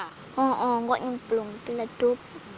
kok ini belum berlutut